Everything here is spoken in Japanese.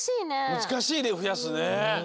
むずかしいねふやすね。